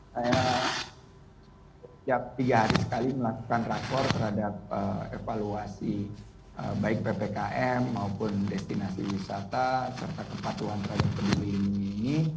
saya tiap tiga hari sekali melakukan rapor terhadap evaluasi baik ppkm maupun destinasi wisata serta kepatuhan terhadap penduduk ini